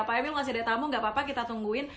pak emil ngasih ada tamu gak apa apa kita tungguin